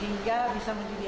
sehingga bisa menjadi